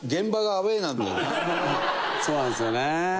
そうなんですよね。